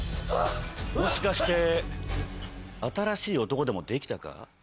もしかして新しい男でもできたか？